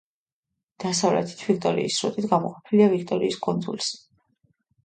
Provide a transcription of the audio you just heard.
დასავლეთით ვიქტორიის სრუტით გამოყოფილია ვიქტორიის კუნძულს.